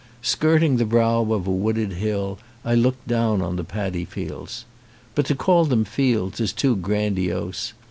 Skirt ing the brow of a wooded hill I look down on the padi fields. But to call them fields is too grandiose.